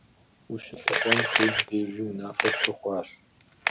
УщылъэӀуэн хуейм дежи унафэ пщӀы хъуащ.